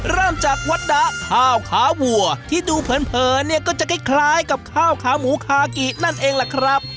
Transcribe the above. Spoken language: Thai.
เริ่มจากวัดดะข้าวขาวัวที่ดูเผินเนี่ยก็จะคล้ายกับข้าวขาหมูคากินั่นเองล่ะครับ